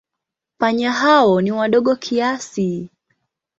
Panya hao ni wadogo kiasi.